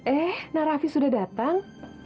eh nak rafi sudah datang